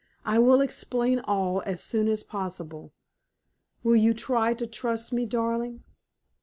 I will explain all as soon as possible. Will you try to trust me, darling?"